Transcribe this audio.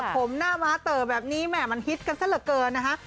ผมหน้าม้าเต๋อแบบนี้แหม่มันฮิตกันซะเหลือเกินนะฮะ